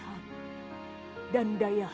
hanya aku yang berharga